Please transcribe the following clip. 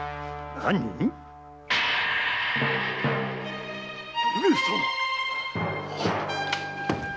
何⁉上様！